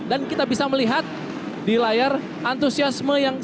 kita bisa melihat di layar antusiasme yang